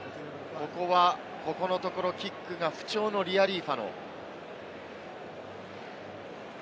ここのところキックが不調のリアリーファノ。